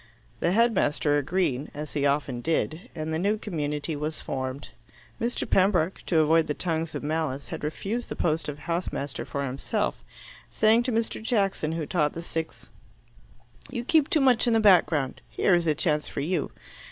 The headmaster agreed, as he often did, and the new community was formed. Mr. Pembroke, to avoid the tongues of malice, had refused the post of house master for himself, saying to Mr. Jackson, who taught the sixth, "You keep too much in the background. Here is a chance for you."